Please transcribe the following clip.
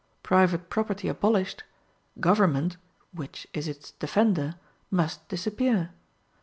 Private property abolished, government which is its defender must disappear.